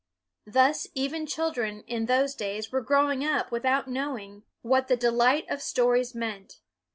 Thus even children, in those days, were growing up without knowing 274 BUNYAN what the delight of stories meant.